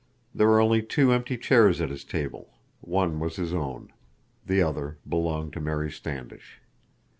There were only two empty chairs at his table. One was his own. The other belonged to Mary Standish.